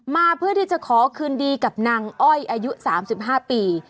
มาเพื่อที่จะขอคืนดีกับนางอ้อยอายุ๓๕ปี